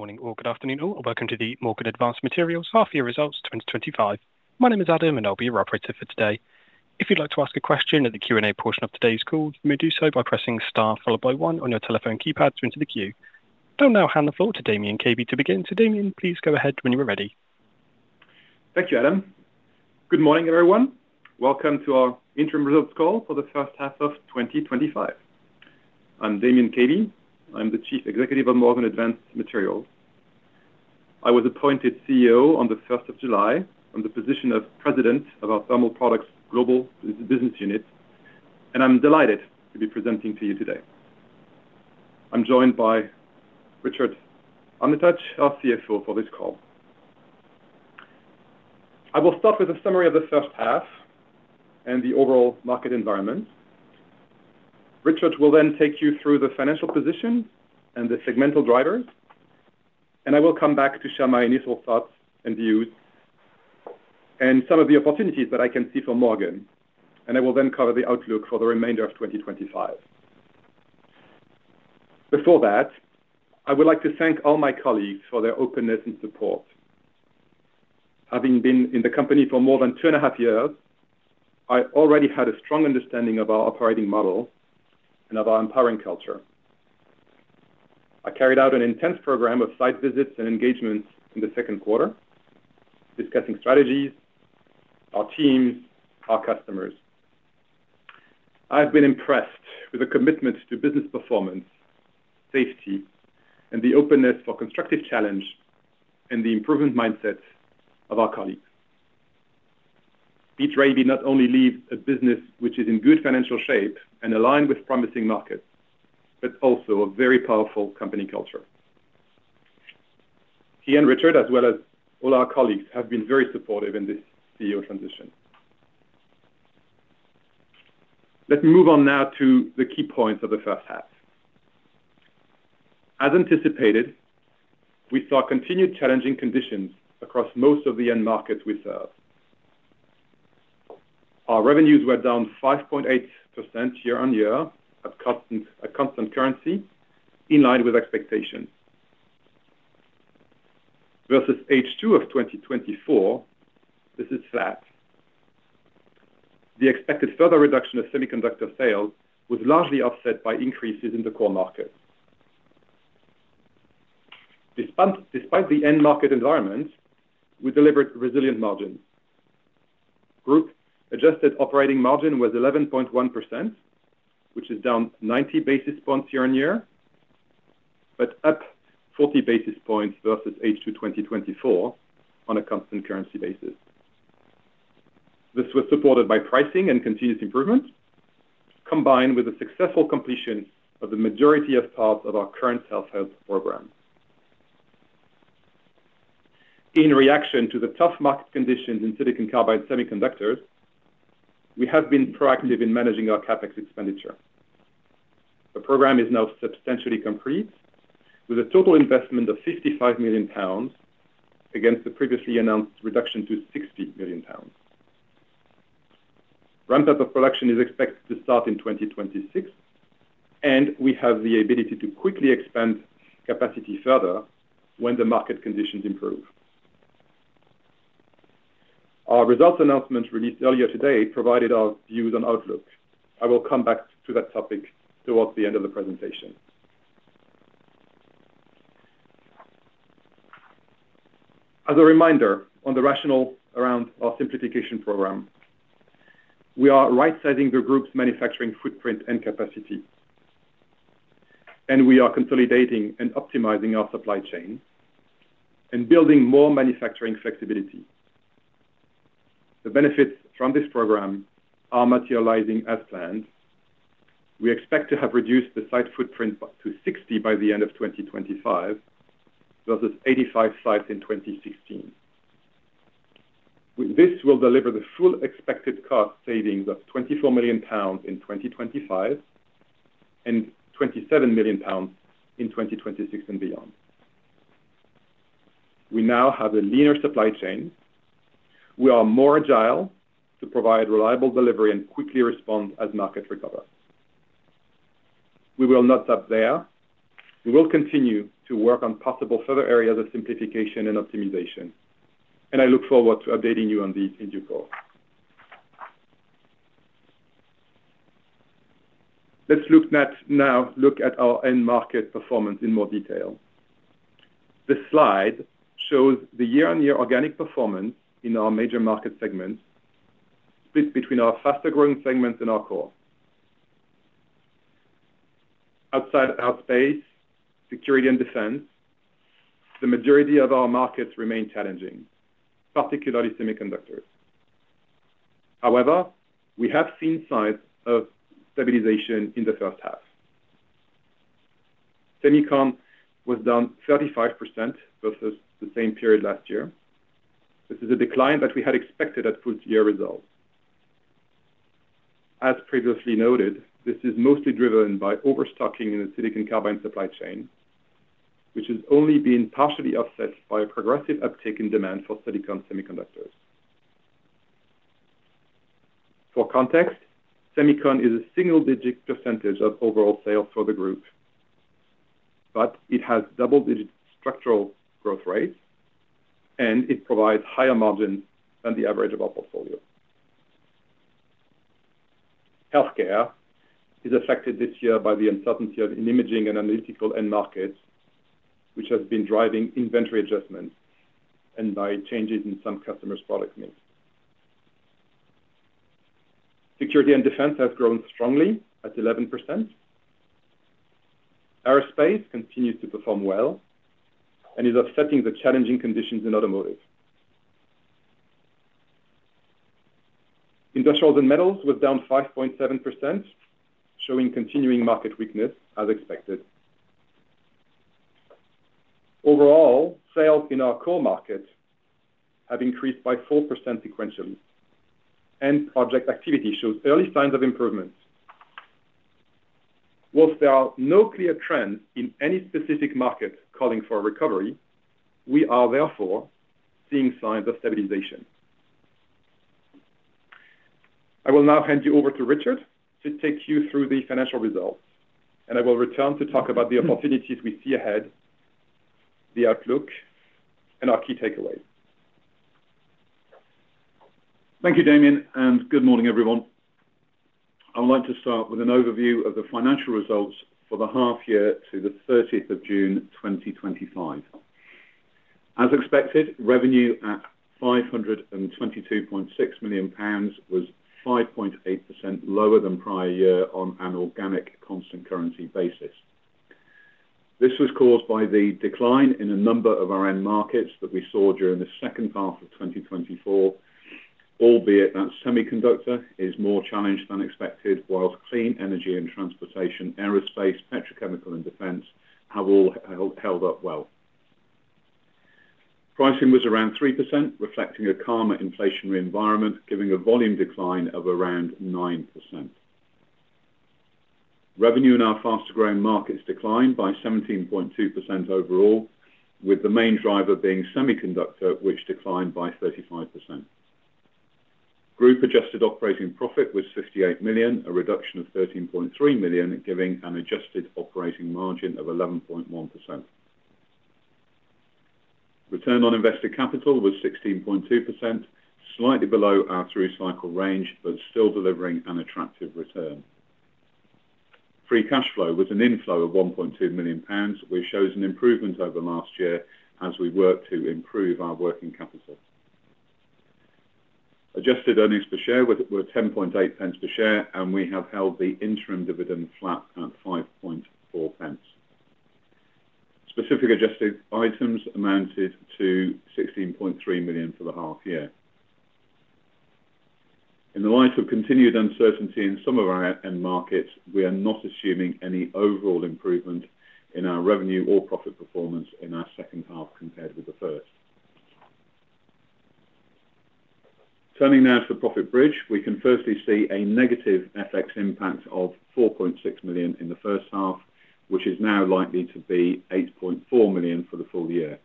Morning or good afternoon all, and welcome to the Morgan Advanced Materials Half Year Results 2025. My name is Adam, and I'll be your operator for today. If you'd like to ask a question in the Q&A portion of today's call, you may do so by pressing Star, followed by one your telephone keypad to enter the queue. I'll now hand the floor to Damien Caby to begin. Damien, please go ahead when we're ready. Thank you, Adam. Good morning, everyone. Welcome to our interim results call for the first half of 2025. I'm Damien Caby. I'm the Chief Executive of Morgan Advanced Materials. I was appointed CEO on the 1st of July from the position of President of our Thermal Products Global Business Unit, and I'm delighted to be presenting to you today. I'm joined by Richard Armitage, our CFO, for this call. I will start with a summary of the first half and the overall market environment. Richard will then take you through the financial position and the segmental drivers, and I will come back to share my initial thoughts and views and some of the opportunities that I can see for Morgan. I will then cover the outlook for the remainder of 2025. Before that, I would like to thank all my colleagues for their openness and support. Having been in the company for more than 2.5 years, I already had a strong understanding of our operating model and of our empowering culture. I carried out an intense program of site visits and engagements in the second quarter, discussing strategies, our teams, and our customers. I've been impressed with the commitment to business performance, safety, and the openness for constructive challenge and the improvement mindset of our colleagues. Peter Raby not only leads a business which is in good financial shape and aligned with promising markets, but also a very powerful company culture. He and Richard, as well as all our colleagues, have been very supportive in this CEO transition. Let me move on now to the key points of the first half. As anticipated, we saw continued challenging conditions across most of the end markets we serve. Our revenues were down 5.8% year-on-year at constant currency, in line with expectations. Versus H2 of 2024, this is flat. The expected further reduction of semiconductor sales was largely offset by increases in the core market. Despite the end market environment, we delivered resilient margins. The group adjusted operating margin was 11.1%, which is down 90 basis points year-on-year, but up 40 basis points versus H2 2024 on a constant currency basis. This was supported by pricing and continuous improvement, combined with the successful completion of the majority of parts of our current self-help program. In reaction to the tough market conditions in silicon carbide semiconductors, we have been proactive in managing our CapEx expenditure. The program is now substantially complete, with a total investment of £55 million against the previously announced reduction to £60 million. Ramp-up of production is expected to start in 2026, and we have the ability to quickly expand capacity further when the market conditions improve. Our results announcement released earlier today provided our views on outlook. I will come back to that topic towards the end of the presentation. As a reminder, on the rationale around our simplification program, we are right-sizing the group's manufacturing footprint and capacity, and we are consolidating and optimizing our supply chain and building more manufacturing flexibility. The benefits from this program are materializing as planned. We expect to have reduced the site footprint to 60 by the end of 2025, versus 85 sites in 2016. This will deliver the full expected cost savings of £24 million in 2025 and £27 million in 2026 and beyond. We now have a leaner supply chain. We are more agile to provide reliable delivery and quickly respond as markets recover. We will not stop there. We will continue to work on possible further areas of simplification and optimization, and I look forward to updating you on these in due course. Let's look now at our end market performance in more detail. This slide shows the year-on-year organic performance in our major market segments, split between our faster-growing segments and our core. Outside of health space, security, and defense, the majority of our markets remain challenging, particularly semiconductors. However, we have seen signs of stabilization in the first half. Semiconductor was down 35% versus the same period last year. This is a decline that we had expected at full-year results. As previously noted, this is mostly driven by overstocking in the silicon carbide supply chain, which has only been partially offset by a progressive uptick in demand for silicon semiconductors. For context, semiconductor is a single-digit percentage of overall sales for the group, but it has double-digit structural growth rates, and it provides higher margins than the average of our portfolio. Healthcare is affected this year by the uncertainty in imaging and analytical end markets, which has been driving inventory adjustments and by changes in some customers' product mix. Security and defense has grown strongly at 11%. Aerospace continues to perform well and is offsetting the challenging conditions in automotive. Industrials and metals was down 5.7%, showing continuing market weakness as expected. Overall, sales in our core market have increased by 4% sequentially, and project activity shows early signs of improvement. Whilst there are no clear trends in any specific market calling for a recovery, we are therefore seeing signs of stabilization. I will now hand you over to Richard to take you through the financial results, and I will return to talk about the opportunities we see ahead, the outlook, and our key takeaways. Thank you, Damien, and good morning, everyone. I would like to start with an overview of the financial results for the half year to the 30th of June 2025. As expected, revenue at £522.6 million was 5.8% lower than prior year on an organic constant currency basis. This was caused by the decline in a number of our end markets that we saw during the second half of 2024, albeit that semiconductor is more challenged than expected, whilst clean energy and transportation, aerospace, petrochemical, and defense have all held up well. Pricing was around 3%, reflecting a calmer inflationary environment, giving a volume decline of around 9%. Revenue in our faster-growing markets declined by 17.2% overall, with the main driver being semiconductor, which declined by 35%. Group adjusted operating profit was £58 million, a reduction of £13.3 million, giving an adjusted operating margin of 11.1%. Return on invested capital was 16.2%, slightly below our three-cycle range, but still delivering an attractive return. Free cash flow was an inflow of £1.2 million, which shows an improvement over last year as we work to improve our working capital. Adjusted earnings per share were 10.8 pence per share, and we have held the interim dividend flat at 5.4 pence. Specific adjusted items amounted to £16.3 million for the half year. In the light of continued uncertainty in some of our end markets, we are not assuming any overall improvement in our revenue or profit performance in our second half compared with the first. Turning now to the profit bridge, we can firstly see a negative FX impact of £4.6 million in the first half, which is now likely to be £8.4 million for the full year.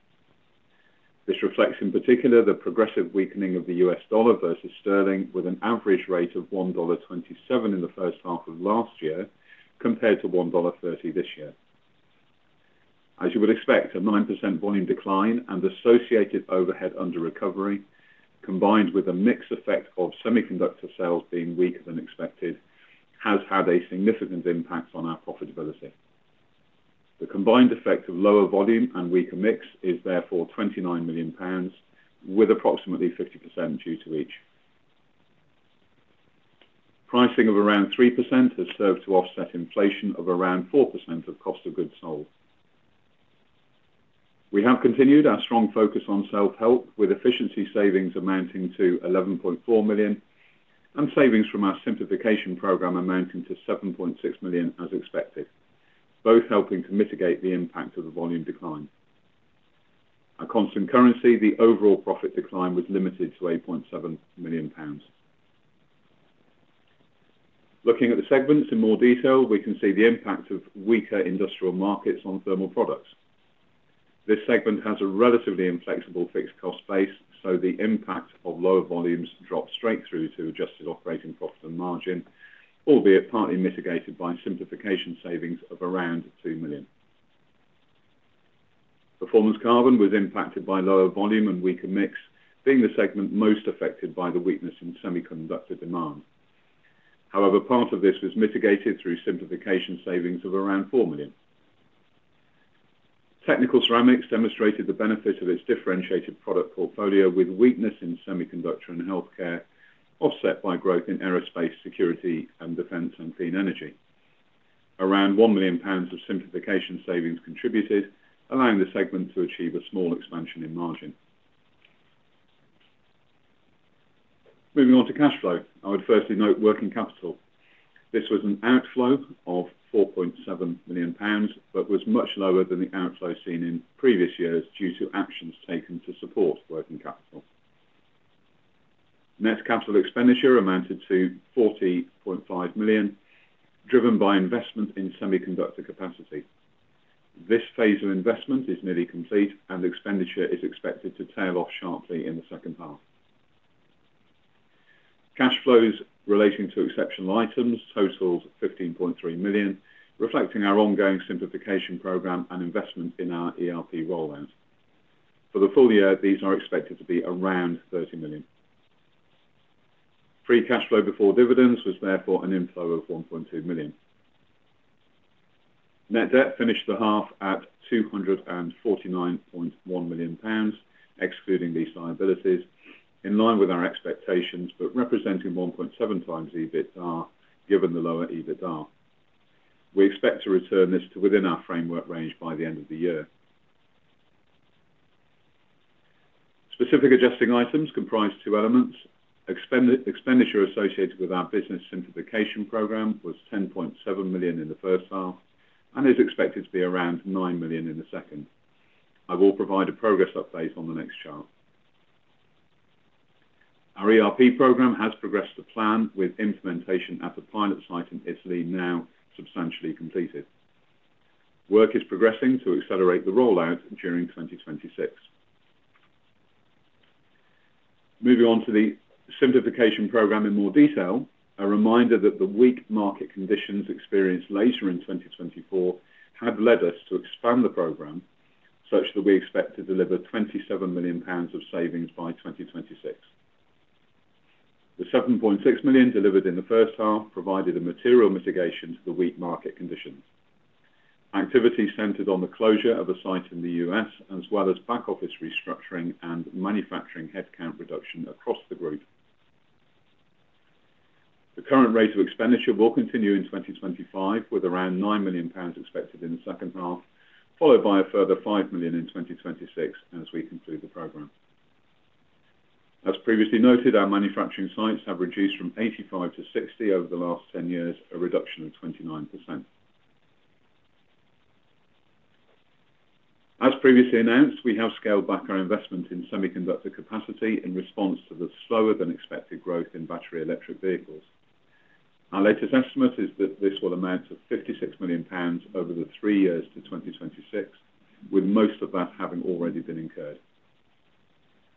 This reflects in particular the progressive weakening of the U.S. dollar versus sterling, with an average rate of $1.27 in the first half of last year compared to $1.30 this year. As you would expect, a 9% volume decline and associated overhead under recovery, combined with a mixed effect of semiconductor sales being weaker than expected, has had a significant impact on our profitability. The combined effect of lower volume and weaker mix is therefore £29 million, with approximately 50% due to each. Pricing of around 3% has served to offset inflation of around 4% of cost of goods sold. We have continued our strong focus on self-help, with efficiency savings amounting to £11.4 million and savings from our simplification program amounting to £7.6 million as expected, both helping to mitigate the impact of the volume decline. At constant currency, the overall profit decline was limited to £8.7 million. Looking at the segments in more detail, we can see the impact of weaker industrial markets on Thermal Products. This segment has a relatively inflexible fixed cost base, so the impact of lower volumes drops straight through to adjusted operating profit and margin, albeit partly mitigated by simplification savings of around £2 million. Performance Carbon was impacted by lower volume and weaker mix, being the segment most affected by the weakness in semiconductor demand. However, part of this was mitigated through simplification savings of around £4 million. Technical Ceramics demonstrated the benefit of its differentiated product portfolio, with weakness in semiconductor and healthcare offset by growth in aerospace, security, and defense, and clean energy. Around £1 million of simplification savings contributed, allowing the segment to achieve a small expansion in margin. Moving on to cash flow, I would firstly note working capital. This was an outflow of £4.7 million, but was much lower than the outflow seen in previous years due to actions taken to support working capital. Net capital expenditure amounted to £40.5 million, driven by investment in semiconductor capacity. This phase of investment is nearly complete, and expenditure is expected to tail off sharply in the second half. Cash flows relating to exceptional items totaled £15.3 million, reflecting our ongoing simplification program and investment in our ERP rollout. For the full year, these are expected to be around £30 million. Free cash flow before dividends was therefore an inflow of £1.2 million. Net debt finished the half at £249.1 million, excluding these liabilities, in line with our expectations, but representing 1.7x EBITDA given the lower EBITDA. We expect to return this to within our framework range by the end of the year. Specific adjusting items comprise two elements. Expenditure associated with our business simplification program was £10.7 million in the first half and is expected to be around £9 million in the second. I will provide a progress update on the next chart. Our ERP program has progressed to plan, with implementation at the pilot site in Italy now substantially completed. Work is progressing to accelerate the rollout during 2026. Moving on to the simplification program in more detail, a reminder that the weak market conditions experienced later in 2024 have led us to expand the program such that we expect to deliver £27 million of savings by 2026. The £7.6 million delivered in the first half provided a material mitigation to the weak market conditions. Activity centered on the closure of a site in the U.S., as well as back office restructuring and manufacturing headcount reduction across the group. The current rate of expenditure will continue in 2025, with around £9 million expected in the second half, followed by a further £5 million in 2026 as we conclude the program. As previously noted, our manufacturing sites have reduced from 85-60 over the last 10 years, a reduction of 29%. As previously announced, we have scaled back our investment in semiconductor capacity in response to the slower than expected growth in battery electric vehicles. Our latest estimate is that this will amount to £56 million over the three years to 2026, with most of that having already been incurred.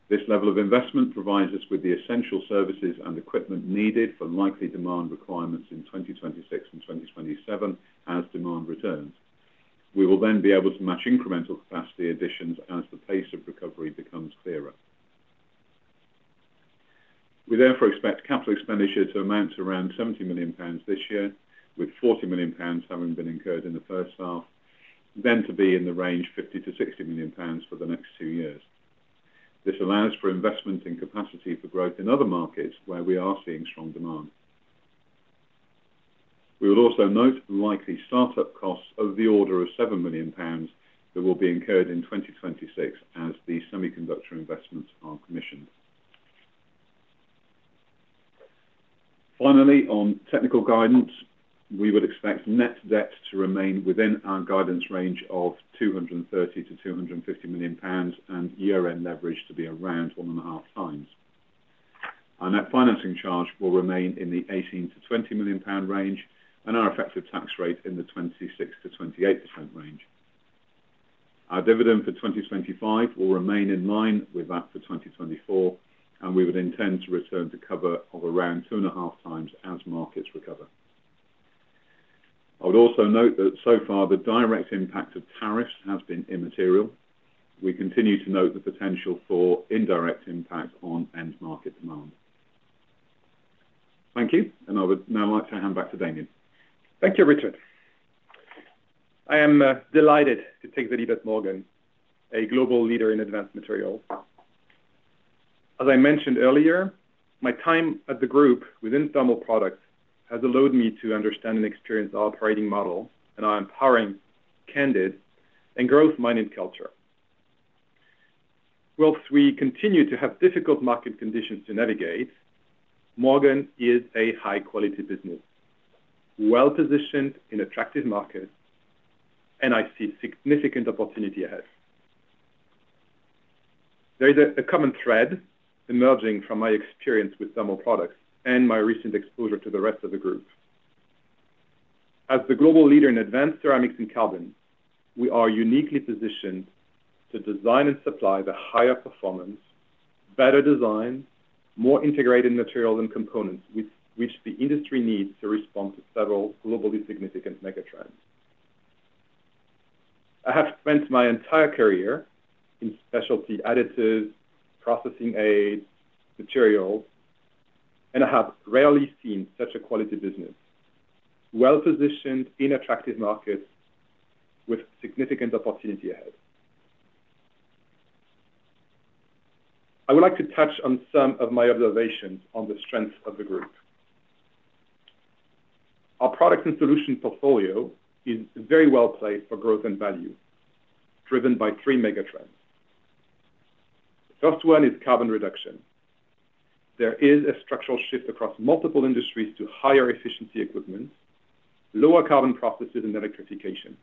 This level of investment provides us with the essential services and equipment needed for likely demand requirements in 2026 and 2027 as demand returns. We will then be able to match incremental capacity additions as the pace of recovery becomes clearer. We therefore expect capital expenditure to amount to around £70 million this year, with £40 million having been incurred in the first half, then to be in the range £50 million-£60 million for the next two years. This allows for investment in capacity for growth in other markets where we are seeing strong demand. We would also note likely startup costs of the order of £7 million that will be incurred in 2026 as the semiconductor investments are commissioned. Finally, on technical guidance, we would expect net debt to remain within our guidance range of £230 million-£250 million and year-end leverage to be around 1.5x. Our net financing charge will remain in the £18 million-£20 million range, and our effective tax rate in the 26%-28% range. Our dividend for 2025 will remain in line with that for 2024, and we would intend to return to cover of around two and 0.5x as markets recover. I would also note that so far the direct impact of tariffs has been immaterial. We continue to note the potential for indirect impact on end market demand. Thank you, and I would now like to hand back to Damien. Thank you, Richard. I am delighted to take the lead at Morgan Advanced Materials, a global leader in advanced materials. As I mentioned earlier, my time at the group within Thermal Products has allowed me to understand and experience the operating model and our empowering, candid, and growth-minded culture. Whilst we continue to have difficult market conditions to navigate, Morgan is a high-quality business, well-positioned in attractive markets, and I see significant opportunity ahead. There is a common thread emerging from my experience with Thermal Products and my recent exposure to the rest of the group. As the global leader in advanced ceramics and carbon, we are uniquely positioned to design and supply the higher performance, better design, more integrated materials and components, which the industry needs to respond to several globally significant megatrends. I have spent my entire career in specialty additives, processing aids, materials, and I have rarely seen such a quality business. Well-positioned in attractive markets with significant opportunity ahead. I would like to touch on some of my observations on the strengths of the group. Our products and solutions portfolio is very well placed for growth and value, driven by three megatrends. The first one is carbon reduction. There is a structural shift across multiple industries to higher efficiency equipment, lower carbon processes, and electrification.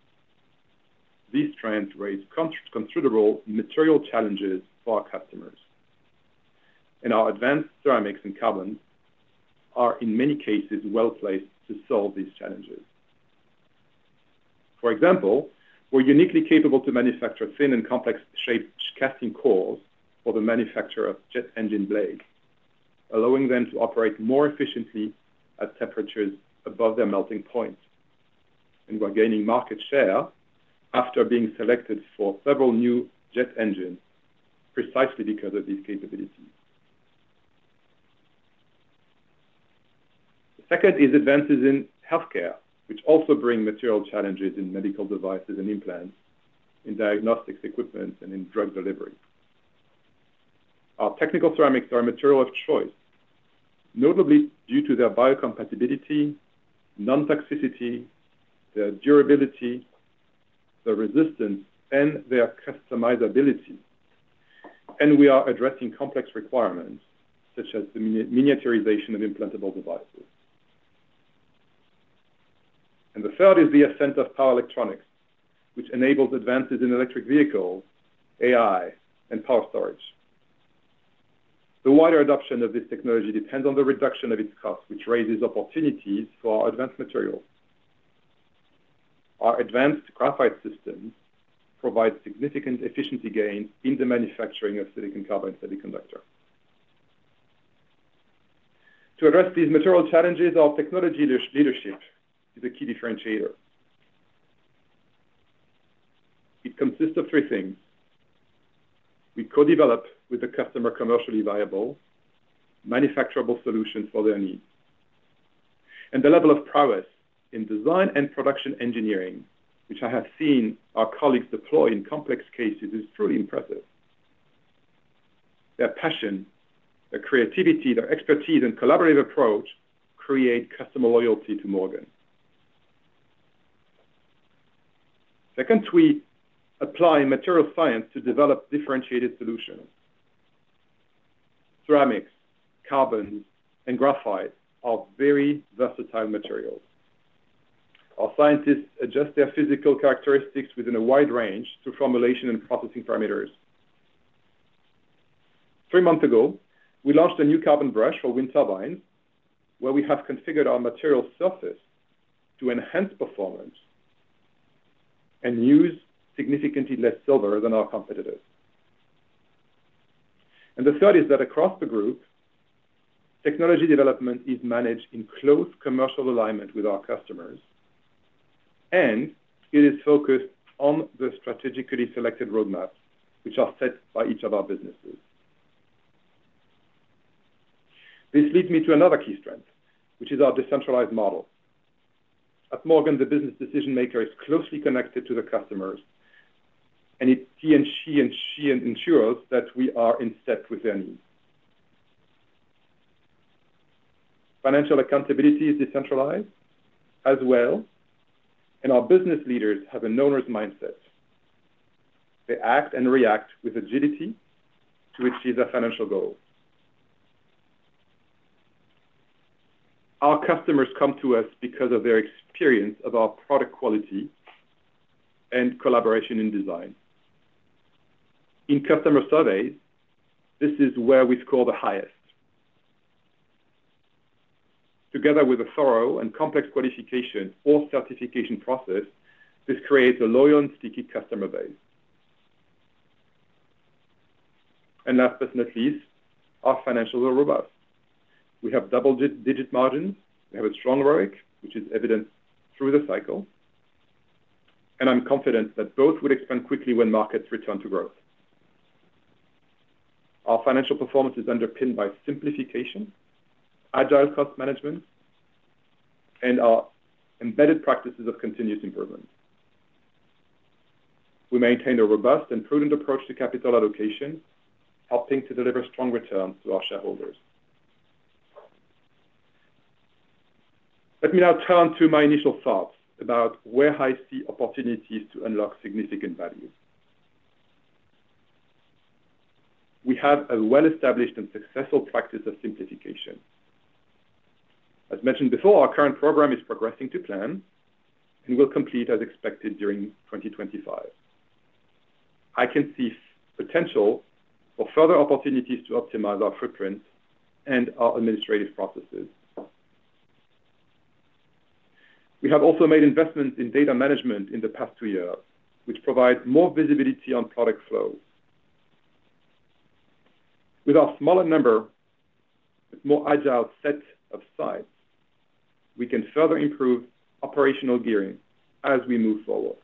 These trends raise considerable material challenges for our customers, and our advanced ceramics and carbons are, in many cases, well placed to solve these challenges. For example, we're uniquely capable to manufacture thin and complex shaped casting cores for the manufacture of jet engine blades, allowing them to operate more efficiently at temperatures above their melting point. We are gaining market share after being selected for several new jet engines precisely because of these capabilities. The second is advances in healthcare, which also bring material challenges in medical devices and implants, in diagnostics equipment, and in drug delivery. Our Technical Ceramics are a material of choice, notably due to their biocompatibility, non-toxicity, their durability, their resistance, and their customizability. We are addressing complex requirements such as the miniaturization of implantable devices. The third is the ascent of power electronics, which enables advances in electric vehicles, AI, and power storage. The wider adoption of this technology depends on the reduction of its cost, which raises opportunities for our advanced materials. Our advanced graphite system provides significant efficiency gains in the manufacturing of silicon carbide semiconductor. To address these material challenges, our technology leadership is a key differentiator. It consists of three things. We co-develop with the customer commercially viable manufacturable solutions for their needs. The level of prowess in design and production engineering, which I have seen our colleagues deploy in complex cases, is truly impressive. Their passion, their creativity, their expertise, and collaborative approach create customer loyalty to Morgan. Second, we apply material science to develop differentiated solutions. Ceramics, carbons, and graphite are very versatile materials. Our scientists adjust their physical characteristics within a wide range to formulation and processing parameters. Three months ago, we launched a new carbon brush for wind turbines, where we have configured our material surface to enhance performance and use significantly less silver than our competitors. The third is that across the group, technology development is managed in close commercial alignment with our customers, and it is focused on the strategically selected roadmaps which are set by each of our businesses. This leads me to another key strength, which is our decentralized model. At Morgan, the business decision maker is closely connected to the customers, and he and she ensures that we are in step with their needs. Financial accountability is decentralized as well, and our business leaders have a knowledge mindset. They act and react with agility to achieve their financial goals. Our customers come to us because of their experience of our product quality and collaboration in design. In customer surveys, this is where we score the highest. Together with a thorough and complex qualification or certification process, this creates a loyal and sticky customer base. Last but not least, our financials are robust. We have double-digit margins. We have a strong ROIC, which is evident through the cycle, and I'm confident that both will expand quickly when markets return to growth. Our financial performance is underpinned by simplification, agile cost management, and our embedded practices of continuous improvement. We maintain a robust and prudent approach to capital allocation, helping to deliver strong returns to our shareholders. Let me now turn to my initial thoughts about where I see opportunities to unlock significant value. We have a well-established and successful practice of simplification. As mentioned before, our current simplification program is progressing to plan and will complete as expected during 2025. I can see potential for further opportunities to optimize our footprint and our administrative processes. We have also made investments in data management in the past two years, which provide more visibility on product flow. With our smaller number, a more agile set of sites, we can further improve operational gearing as we move forward.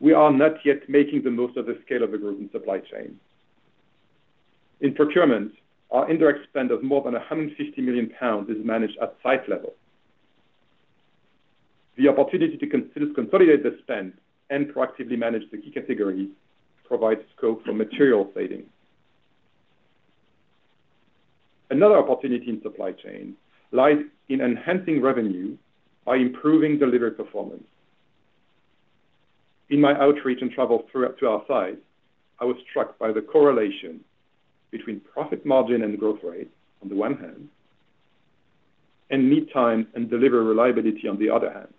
We are not yet making the most of the scale of the group and supply chain. In procurement, our indirect spend of more than £150 million is managed at site level. The opportunity to consolidate the spend and proactively manage the key categories provides scope for material savings. Another opportunity in supply chain lies in enhancing revenue by improving delivery performance. In my outreach and travel throughout to our sites, I was struck by the correlation between profit margin and growth rate on the one hand, and lead time and delivery reliability on the other hand.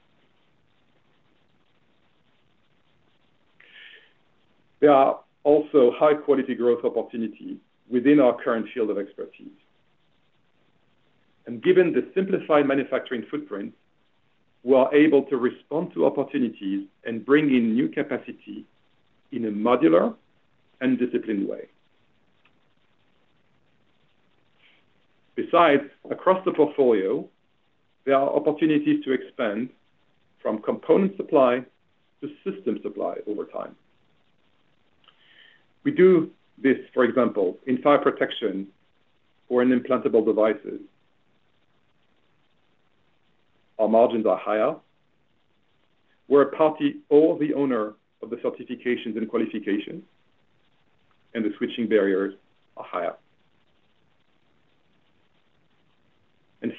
There are also high-quality growth opportunities within our current field of expertise. Given the simplified manufacturing footprint, we are able to respond to opportunities and bring in new capacity in a modular and disciplined way. Besides, across the portfolio, there are opportunities to expand from component supply to system supply over time. We do this, for example, in fire protection or in implantable devices. Our margins are higher. We're a party or the owner of the certifications and qualifications, and the switching barriers are higher.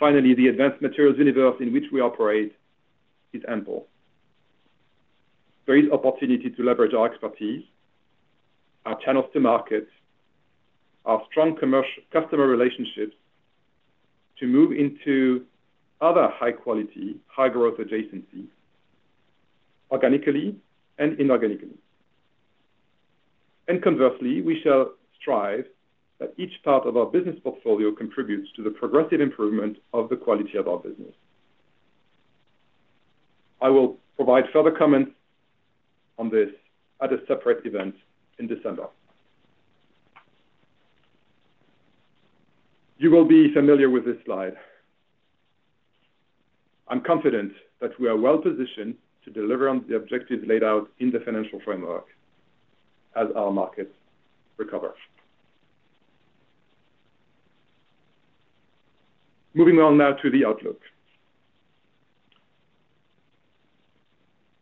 Finally, the advanced materials universe in which we operate is ample. There is opportunity to leverage our expertise, our channels to market, our strong commercial customer relationships to move into other high-quality, high-growth adjacencies, organically and inorganically. Conversely, we shall strive that each part of our business portfolio contributes to the progressive improvement of the quality of our business. I will provide further comments on this at a separate event in December. You will be familiar with this slide. I'm confident that we are well positioned to deliver on the objectives laid out in the financial framework as our markets recover. Moving on now to the outlook.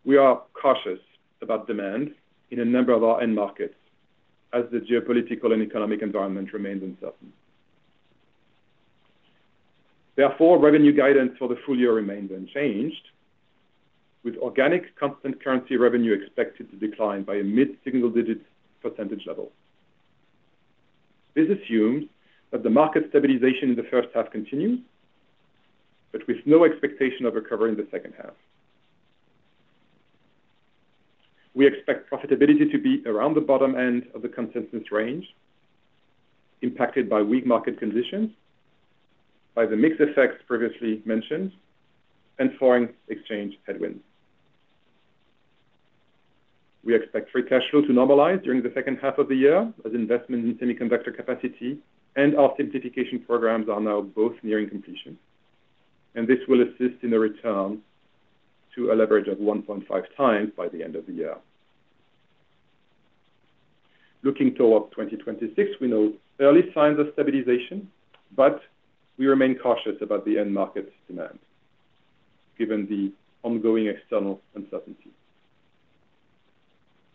We are cautious about demand in a number of our end markets as the geopolitical and economic environment remains uncertain. Therefore, revenue guidance for the full year remains unchanged, with organic constant currency revenue expected to decline by a mid-single-digit percentage level. This assumes that the market stabilization in the first half continues, but with no expectation of recovery in the second half. We expect profitability to be around the bottom end of the consensus range, impacted by weak market conditions, by the mix effects previously mentioned, and foreign exchange headwinds. We expect free cash flow to normalize during the second half of the year as investments inve semiconductor capacity and our simplification programs are now both nearing completion, and this will assist in a return to a leverage of 1.5x by the end of the year. Looking towards 2026, we note early signs of stabilization, but we remain cautious about the end market demand given the ongoing external uncertainty.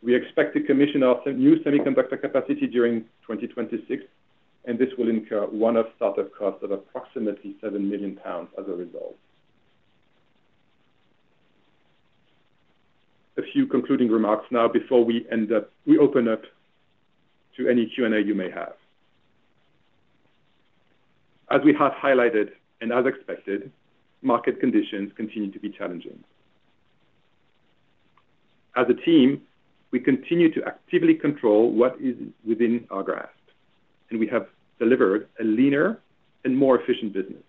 We expect to commission our new semiconductor capacity during 2026, and this will incur one-off start-up costs of approximately £7 million as a result. A few concluding remarks now before we end up, we open up to any Q&A you may have. As we have highlighted and as expected, market conditions continue to be challenging. As a team, we continue to actively control what is within our grasp, and we have delivered a leaner and more efficient business.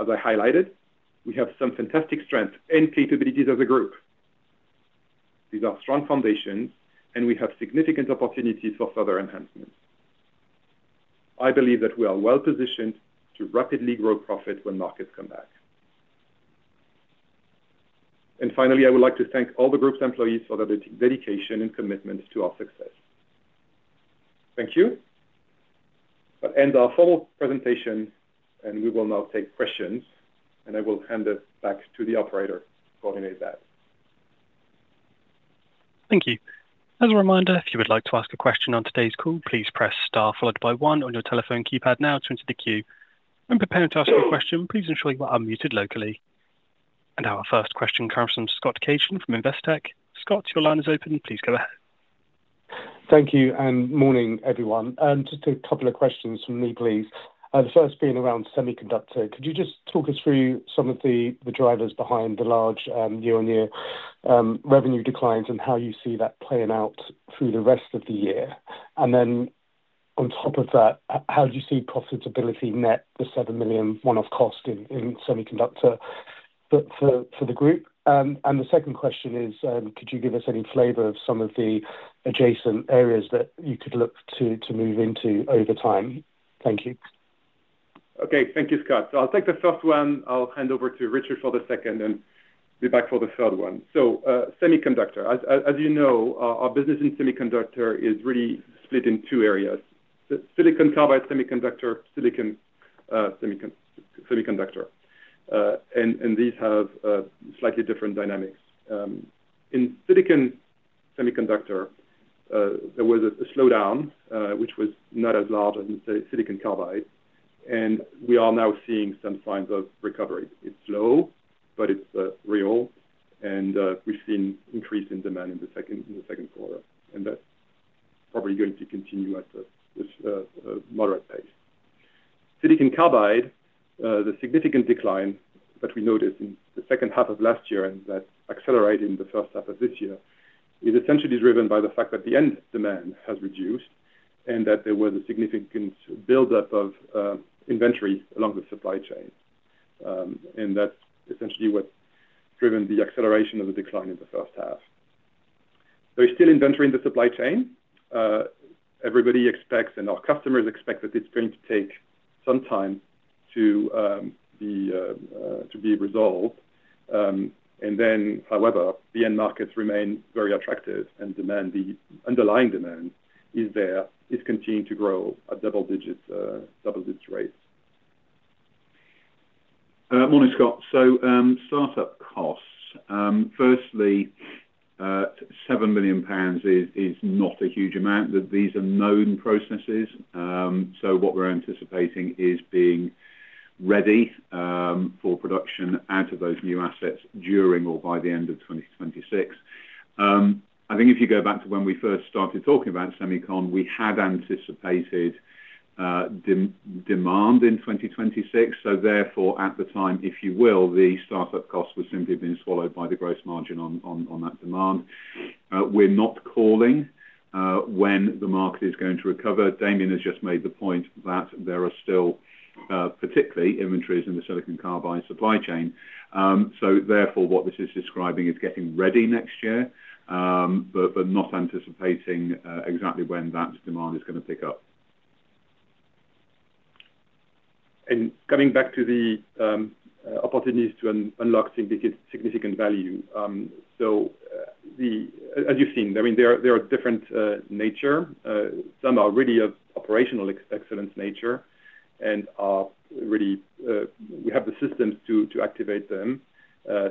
As I highlighted, we have some fantastic strengths and capabilities as a group. These are strong foundations, and we have significant opportunities for further enhancements. I believe that we are well positioned to rapidly grow profit when markets come back. Finally, I would like to thank all the group's employees for their dedication and commitment to our success. Thank you. That ends our formal presentation, and we will now take questions, and I will hand this back to the operator to coordinate that. Thank you. As a reminder, if you would like to ask a question on today's call, please press Star, followed by one on your telephone keypad now to enter the queue. When preparing to ask a question, please ensure you are unmuted locally. Our first question comes from Scott Cason from InvesTech. Scott, your line is open. Please go ahead. Thank you, and morning everyone. Just a couple of questions from me, please. The first being around semiconductor. Could you just talk us through some of the drivers behind the large year-on-year revenue declines and how you see that playing out through the rest of the year? On top of that, how do you see profitability net the £7 million one-off cost in semiconductor for the group? The second question is, could you give us any flavor of some of the adjacent areas that you could look to move into over time? Thank you. Okay, thank you, Scott. I'll take the first one. I'll hand over to Richard for the second and be back for the third one. Semiconductor, as you know, our business in semiconductor is really split in two areas: silicon carbide semiconductor and silicon semiconductor. These have slightly different dynamics. In silicon semiconductor, there was a slowdown, which was not as large as in silicon carbide. We are now seeing some signs of recovery. It's slow, but it's real. We've seen an increase in demand in the second quarter, and that's probably going to continue at a moderate pace. Silicon carbide, the significant decline that we noticed in the second half of last year and that accelerated in the first half of this year, is essentially driven by the fact that the end demand has reduced and that there was a significant buildup of inventory along the supply chain. That's essentially what's driven the acceleration of the decline in the first half. There is still inventory in the supply chain. Everybody expects, and our customers expect, that it's going to take some time to be resolved. However, the end markets remain very attractive, and the underlying demand is there. It's continuing to grow at double-digit rates. Morning, Scott. Startup costs, firstly, £7 million is not a huge amount. These are known processes. What we're anticipating is being ready for production out of those new assets during or by the end of 2026. If you go back to when we first started talking about semiconductor, we had anticipated demand in 2026. At the time, the startup costs were simply being swallowed by the gross margin on that demand. We're not calling when the market is going to recover. Damien has just made the point that there are still particularly inventories in the silicon carbide supply chain. What this is describing is getting ready next year, but not anticipating exactly when that demand is going to pick up. Coming back to the opportunities to unlock significant value, as you've seen, they're of different nature. Some are really of operational excellence nature and we have the systems to activate them.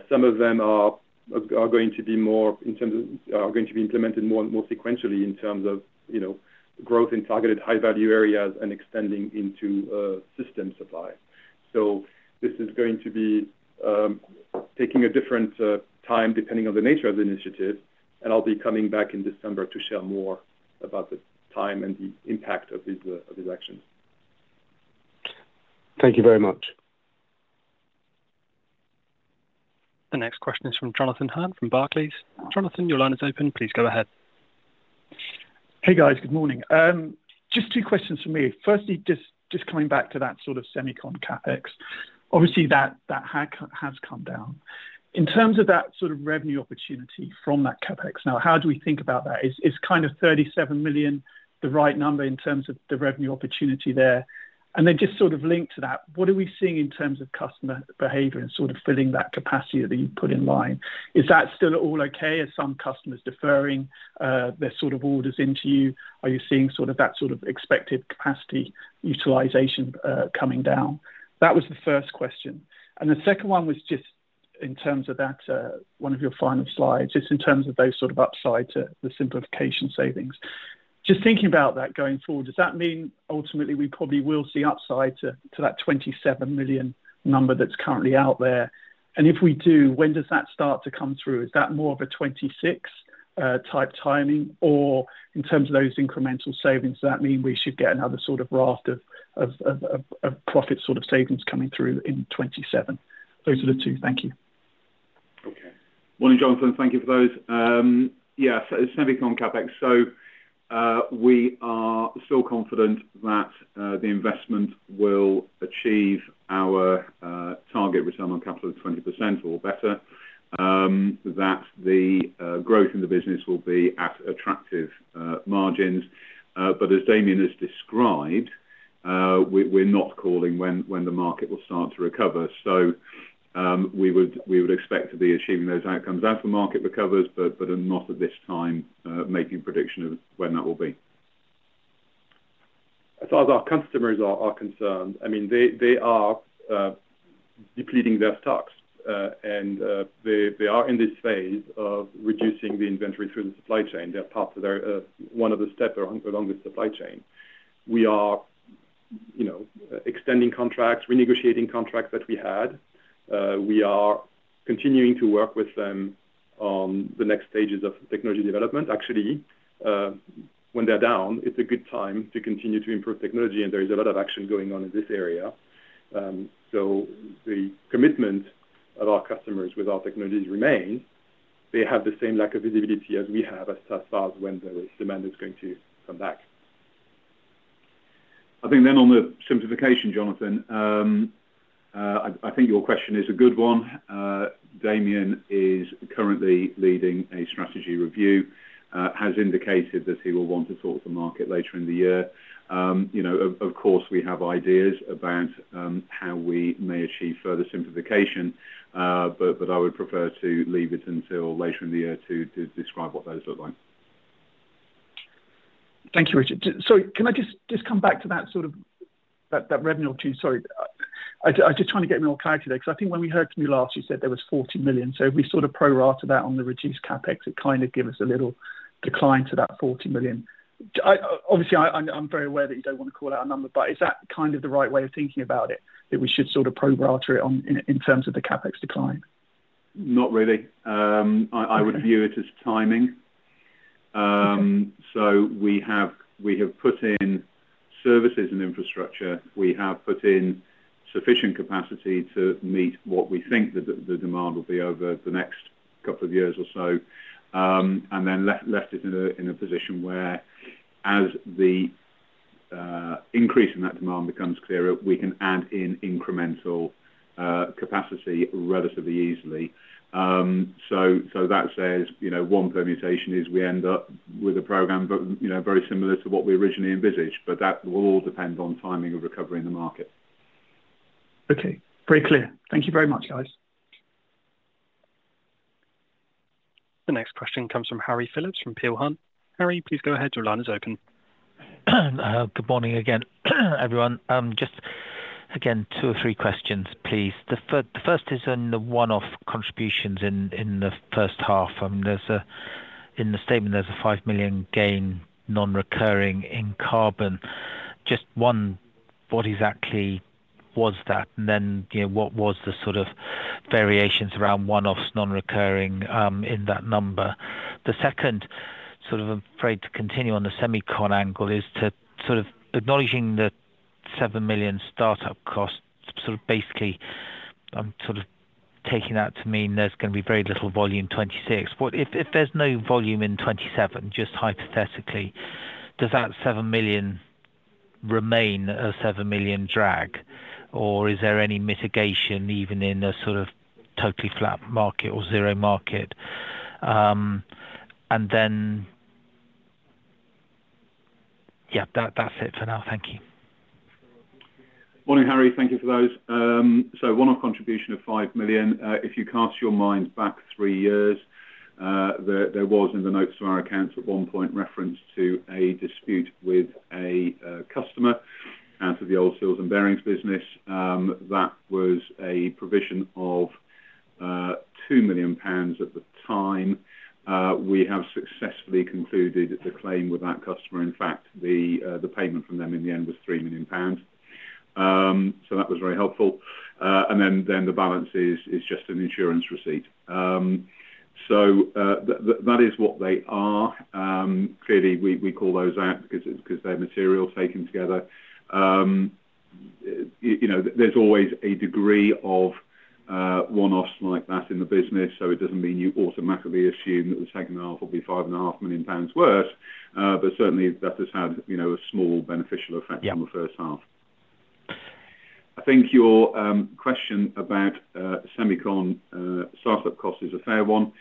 Some of them are going to be implemented more and more sequentially in terms of growth in targeted high-value areas and extending into system supply. This is going to be taking a different time depending on the nature of the initiative. I'll be coming back in December to share more about the time and the impact of these actions. Thank you very much. The next question is from Jonathan Hunt from Barclays. Jonathan, your line is open. Please go ahead. Hey guys, good morning. Just two questions from me. Firstly, just coming back to that sort of semiconductor CapEx, obviously that has come down. In terms of that sort of revenue opportunity from that CapEx, now how do we think about that? Is kind of £37 million the right number in terms of the revenue opportunity there? Just sort of linked to that, what are we seeing in terms of customer behavior and sort of filling that capacity that you put in line? Is that still all okay? Are some customers deferring their sort of orders into you? Are you seeing sort of that sort of expected capacity utilization coming down? That was the first question. The second one was just in terms of that, one of your final slides, just in terms of those sort of upside to the simplification savings. Just thinking about that going forward, does that mean ultimately we probably will see upside to that £27 million number that's currently out there? If we do, when does that start to come through? Is that more of a £26 million type timing? Or in terms of those incremental savings, does that mean we should get another sort of raft of profit sort of savings coming through in £27 million? Those are the two. Thank you. Okay. Morning, Jonathan. Thank you for those. Yeah, semiconductor CapEx. We are still confident that the investment will achieve our target return on capital of 20% or better, that the growth in the business will be at attractive margins. As Damien has described, we're not calling when the market will start to recover. We would expect to be achieving those outcomes as the market recovers, but not at this time, making a prediction of when that will be. As far as our customers are concerned, they are depleting their stocks, and they are in this phase of reducing the inventory through the supply chain. They're part of one of the steps along the supply chain. We are extending contracts, renegotiating contracts that we had. We are continuing to work with them on the next stages of technology development. Actually, when they're down, it's a good time to continue to improve technology, and there is a lot of action going on in this area. The commitment of our customers with our technology remains. They have the same lack of visibility as we have as far as when the demand is going to come back. I think on the simplification, Jonathan, your question is a good one. Damien is currently leading a strategy review, has indicated that he will want to talk to the market later in the year. Of course, we have ideas about how we may achieve further simplification, but I would prefer to leave it until later in the year to describe what those look like. Thank you, Richard. Can I just come back to that sort of revenue opportunity? I'm just trying to get more clarity there, because I think when we heard from you last, you said there was £40 million. If we sort of pro-rata that on the reduced CapEx, it kind of gives us a little decline to that £40 million. Obviously, I'm very aware that you don't want to call out a number, but is that kind of the right way of thinking about it, that we should sort of pro-rata it in terms of the CapEx decline? Not really. I would view it as timing. We have put in services and infrastructure. We have put in sufficient capacity to meet what we think the demand will be over the next couple of years or so. We left it in a position where, as the increase in that demand becomes clearer, we can add in incremental capacity relatively easily. That says, you know, one permutation is we end up with a program, you know, very similar to what we originally envisaged. That will all depend on timing of recovery in the market. Okay. Very clear. Thank you very much, guys. The next question comes from Harry Phillips from Peel Hunt. Harry, please go ahead. Your line is open. Good morning again, everyone. Just again, two or three questions, please. The first is on the one-off contributions in the first half. In the statement, there's a £5 million gain, non-recurring in carbon. What exactly was that? What was the sort of variations around one-offs, non-recurring in that number? The second, sort of afraid to continue on the semiconductor angle, is to sort of acknowledging the £7 million startup cost. Basically, I'm sort of taking that to mean there's going to be very little volume in 2026. If there's no volume in 2027, just hypothetically, does that £7 million remain a £7 million drag, or is there any mitigation even in a sort of totally flat market or zero market? That's it for now. Thank you. Morning, Harry. Thank you for those. One-off contribution of £5 million. If you cast your mind back three years, there was in the notes to our accounts at one point reference to a dispute with a customer out of the old seals and bearings business. That was a provision of £2 million at the time. We have successfully concluded the claim with that customer. In fact, the payment from them in the end was £3 million. That was very helpful, and the balance is just an insurance receipt. That is what they are. Clearly, we call those out because they're material taken together. There's always a degree of one-offs like that in the business. It doesn't mean you automatically assume that the second half will be £5.5 million worth, but certainly that has had a small beneficial effect on the first half. I think your question about semiconductor startup cost is a fair one.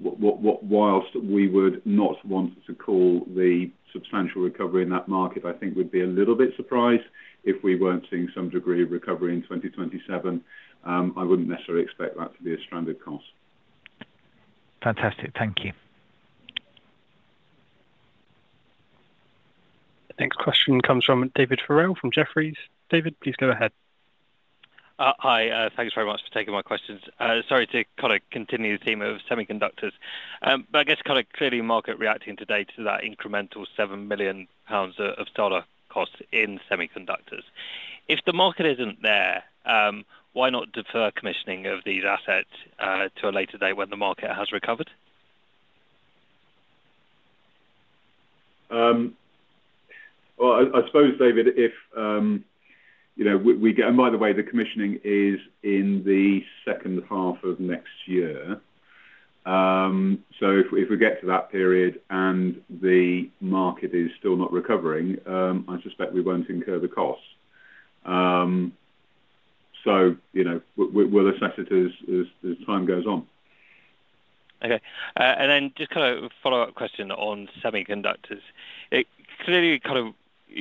Whilst we would not want to call the substantial recovery in that market, I think we'd be a little bit surprised if we weren't seeing some degree of recovery in 2027. I wouldn't necessarily expect that to be a stranded cost. Fantastic. Thank you. Next question comes from David Farrell from Jefferies. David, please go ahead. Hi. Thanks very much for taking my questions. Sorry to kind of continue the theme of semiconductors, but I guess kind of clearly the market is reacting today to that incremental £7 million of cost in semiconductors. If the market isn't there, why not defer commissioning of these assets to a later date when the market has recovered? David, if you know we get, and by the way, the commissioning is in the second half of next year. If we get to that period and the market is still not recovering, I suspect we won't incur the cost. You know, we'll assess it as time goes on. Okay. Just kind of a follow-up question on semiconductors. Clearly,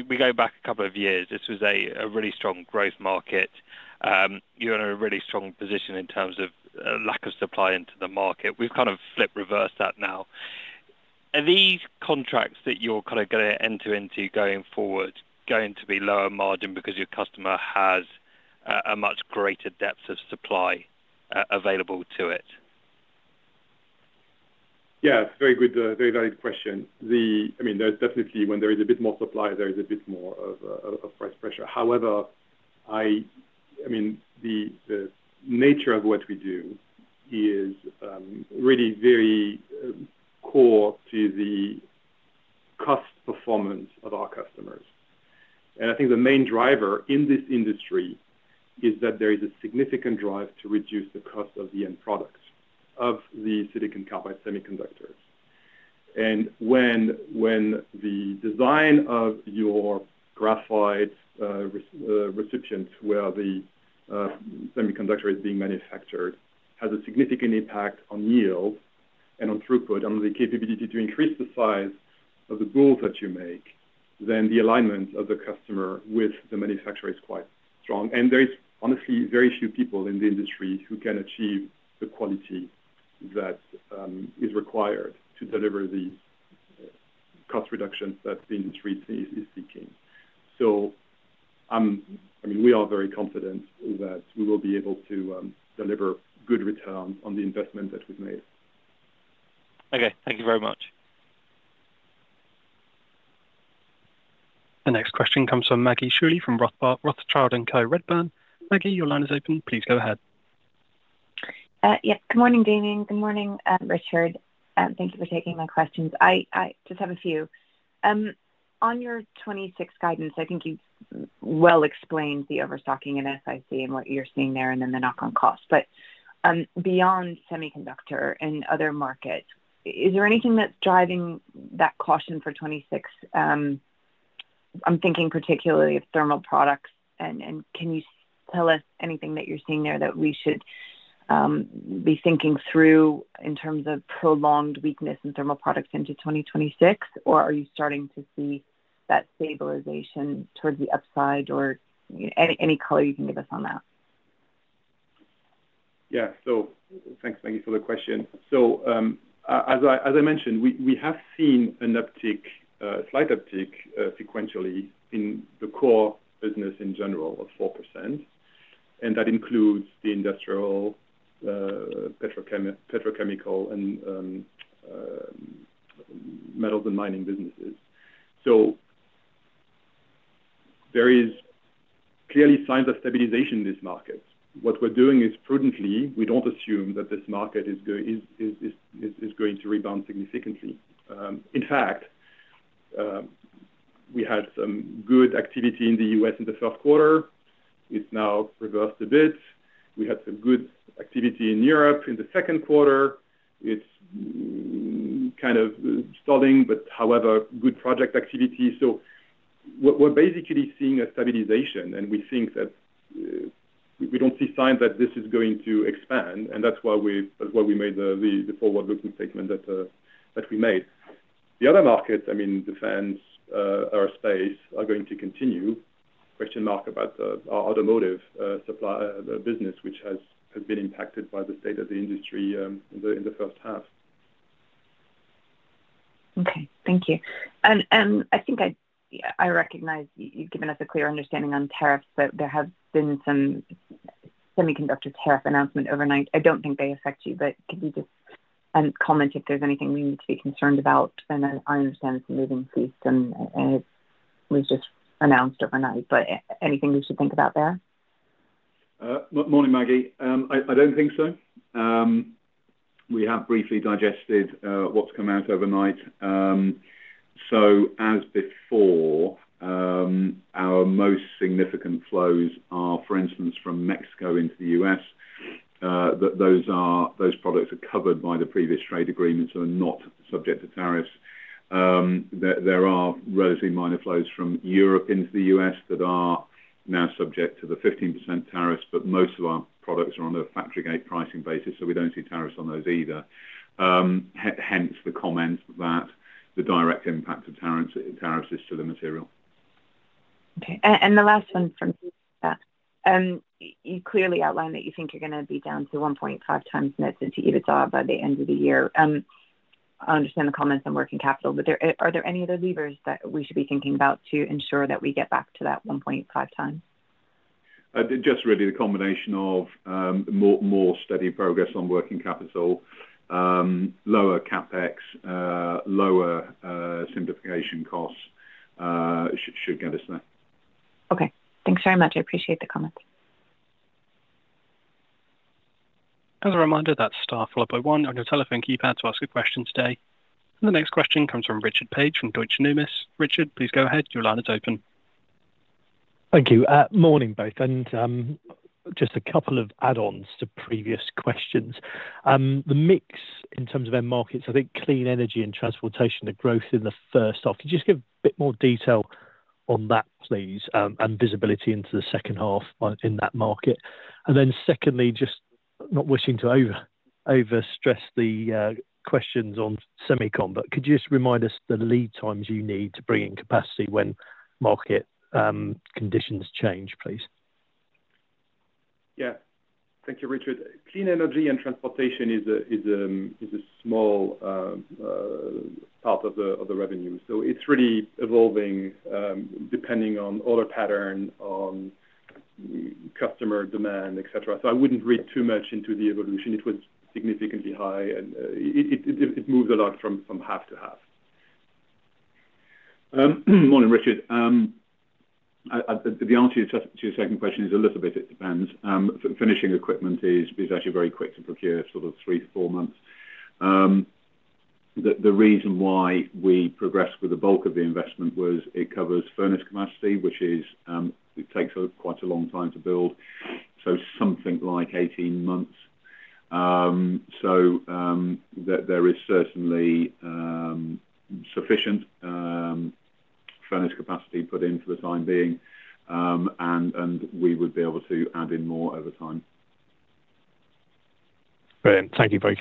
we go back a couple of years. This was a really strong growth market. You're in a really strong position in terms of lack of supply into the market. We've kind of flipped reverse that now. Are these contracts that you're going to enter into going forward going to be lower margin because your customer has a much greater depth of supply available to it? Yeah, very good, very valid question. There's definitely, when there is a bit more supply, there is a bit more of price pressure. However, the nature of what we do is really very core to the cost performance of our customers. I think the main driver in this industry is that there is a significant drive to reduce the cost of the end product of the silicon carbide semiconductors. When the design of your graphite recipients, where the semiconductor is being manufactured, has a significant impact on yield and on throughput and on the capability to increase the size of the balls that you make, the alignment of the customer with the manufacturer is quite strong. There is honestly very few people in the industry who can achieve the quality that is required to deliver the cost reduction that the industry is seeking. We are very confident that we will be able to deliver good returns on the investment that we've made. Okay, thank you very much. The next question comes from Maggie Schooley from Rothschild & Co Redburn. Maggie, your line is open. Please go ahead. Yep. Good morning, Damien. Good morning, Richard. Thank you for taking my questions. I just have a few. On your 2026 guidance, I think you've well explained the overstocking in silicon carbide and what you're seeing there and then the knock-on cost. Beyond semiconductor and other markets, is there anything that's driving that caution for 2026? I'm thinking particularly of Thermal Products. Can you tell us anything that you're seeing there that we should be thinking through in terms of prolonged weakness in Thermal Products into 2026, or are you starting to see that stabilization towards the upside, or any color you can give us on that? Yeah. Thanks, Maggie, for the question. As I mentioned, we have seen an uptick, a slight uptick sequentially in the core business in general of 4%. That includes the industrial, petrochemical, and metals and mining businesses. There are clearly signs of stabilization in this market. What we're doing is prudently, we don't assume that this market is going to rebound significantly. In fact, we had some good activity in the U.S. in the first quarter. It's now reversed a bit. We had some good activity in Europe in the second quarter. It's kind of stalling, however, good project activity. We're basically seeing a stabilization, and we think that we don't see signs that this is going to expand. That's why we made the forward-looking statement that we made. The other markets, I mean, defense, aerospace, are going to continue. Question mark about our automotive supply business, which has been impacted by the state of the industry in the first half. Okay. Thank you. I think I recognize you've given us a clear understanding on tariffs. There have been some semiconductor tariff announcements overnight. I don't think they affect you, but could you just comment if there's anything we need to be concerned about? I understand it's a moving system. It was just announced overnight, but anything we should think about there? Morning, Maggie. I don't think so. We have briefly digested what's come out overnight. As before, our most significant flows are, for instance, from Mexico into the U.S. Those products are covered by the previous trade agreements and are not subject to tariffs. There are relatively minor flows from Europe into the U.S. that are now subject to the 15% tariffs, but most of our products are on a factory-gate pricing basis, so we don't see tariffs on those either. Hence the comment that the direct impact of tariffs is to the material. Okay. The last one from you. You clearly outlined that you think you're going to be down to 1.5x net debt since you even saw it by the end of the year. I understand the comments on working capital, but are there any other levers that we should be thinking about to ensure that we get back to that 1.5x? Just really the combination of more steady progress on working capital, lower CapEx, lower simplification costs should get us there. Okay, thanks very much. I appreciate the comments. As a reminder, that's Star, followed by one on your telephone keypad to ask a question today. The next question comes from Richard Paige from Deutsche Numis. Richard, please go ahead. Your line is open. Thank you. Morning, both. Just a couple of add-ons to previous questions. The mix in terms of end markets, I think clean energy and transportation, the growth in the first half, could you just give a bit more detail on that, please, and visibility into the second half in that market? Secondly, just not wishing to overstress the questions on semiconductor, could you just remind us the lead times you need to bring in capacity when market conditions change, please? Thank you, Richard. Clean energy and transportation is a small part of the revenue. It's really evolving depending on order pattern, on customer demand, etc. I wouldn't read too much into the evolution. It was significantly high, and it moved a lot from half to half. Morning, Richard. The answer to your second question is a little bit it depends. Finishing equipment is actually very quick to procure, sort of 3-4 months. The reason why we progressed with the bulk of the investment was it covers furnace capacity, which takes quite a long time to build, something like 18 months. There is certainly sufficient furnace capacity put in for the time being, and we would be able to add in more over time. Brilliant. Thank you both.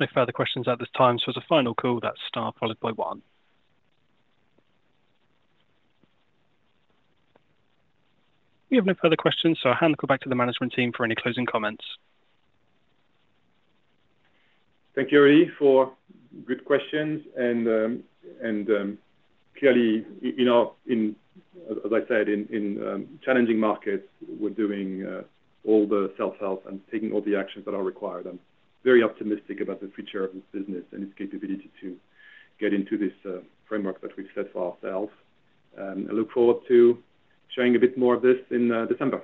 No further questions at this time. As a final call, that's Star, followed by one. We have no further questions, so I hand the call back to the management team for any closing comments. Thank you, everybody, for good questions. Clearly, as I said, in challenging markets, we're doing all the self-help and taking all the actions that are required. I'm very optimistic about the future of this business and its capability to get into this framework that we've set for ourselves. I look forward to sharing a bit more of this in December.